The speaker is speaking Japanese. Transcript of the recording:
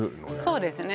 そうですね